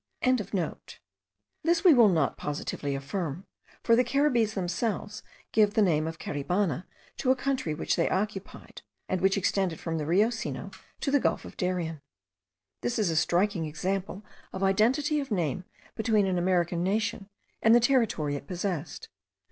This we will not positively affirm; for the Caribbees themselves give the name of Caribana to a country which they occupied, and which extended from the Rio Sinu to the gulf of Darien. This is a striking example of identity of name between an American nation and the territory it possessed.